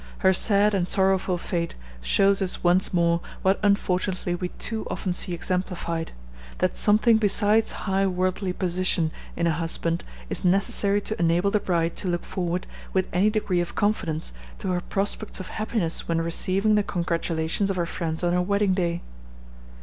Her sad and sorrowful fate shows us once more what unfortunately we too often see exemplified, that something besides high worldly position in a husband is necessary to enable the bride to look forward with any degree of confidence to her prospects of happiness when receiving the congratulations of her friends on her wedding day.